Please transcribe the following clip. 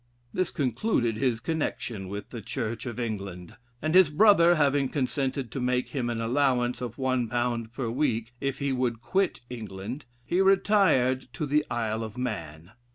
'" This concluded his connection with the Church of England, and his brother having consented to make him an allowance of one pound per week if he would quit England, he retired to the Isle of Man.